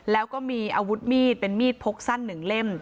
แล้วก็มีอาวุธมีดเป็นมีดพกสั้น๑เล่ม